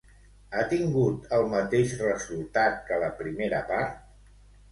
Ha tingut el mateix resultat que la primera part?